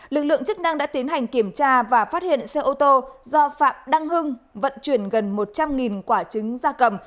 lực lượng chức năng đã tiến hành kiểm tra và phát hiện xe ô tô do phạm đăng hưng vận chuyển gần một trăm linh quả trứng da cầm